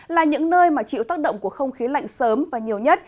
là những nơi mà chịu tác động của không khí lạnh sớm và nhiều nhất